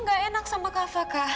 perasaan mila gak enak sama kafa kak